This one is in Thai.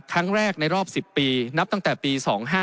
ครั้งแรกในรอบ๑๐ปีนับตั้งแต่ปี๒๕๕๙